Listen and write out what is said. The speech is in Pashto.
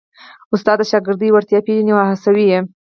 استاد د شاګرد وړتیا پېژني او هڅوي یې.